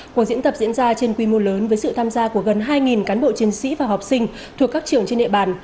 cuộc diễn tập diễn ra trên quy mô lớn với sự tham gia của gần hai cán bộ chiến sĩ và học sinh thuộc các trường trên địa bàn